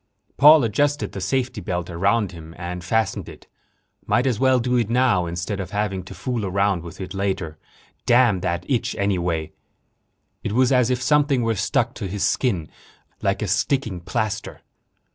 Paul adjusted the safety belt around him, and fastened it. Might as well do it now, instead of having to fool around with it later. Damn that itch, anyway! It was as if something were stuck to his skin like a sticking plaster....